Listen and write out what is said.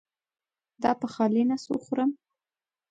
دا په خالي نس وخورم؟